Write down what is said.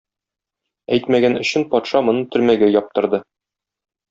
Әйтмәгән өчен патша моны төрмәгә яптырды.